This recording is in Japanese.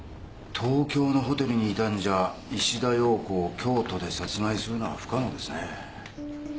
東京のホテルにいたんじゃ石田洋子を京都で殺害するのは不可能ですね。